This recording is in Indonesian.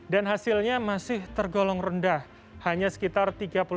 dan hasilnya masih tergolong rendah hanya sekitar tiga puluh sembilan